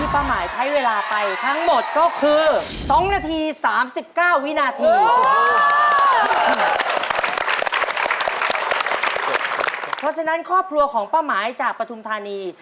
เพราะฉะนั้นครอบครัวของป้าหมายจากปฐุมธานี